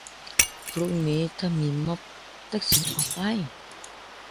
พรุ่งนี้ถ้ามีม็อบ ทักษิณออกไป